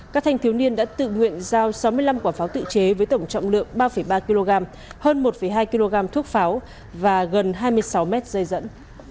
các thanh thiếu niên đã tự nguyện giao sáu mươi năm quả pháo tự chế với tổng trọng lượng ba ba kg hơn một hai kg thuốc pháo và gần hai mươi sáu mét dây dẫn